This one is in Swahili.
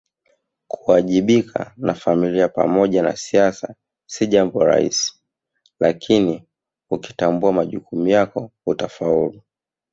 Kuwajibika na Familia pamoja na siasa si jambo rahisi lakini ukitambua majukumu yako utafaulu